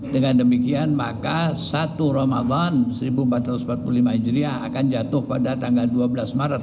dengan demikian maka satu ramadan seribu empat ratus empat puluh lima hijriah akan jatuh pada tanggal dua belas maret